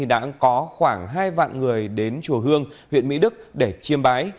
đã có khoảng hai vạn người đến chùa hương huyện mỹ đức để chiêm bái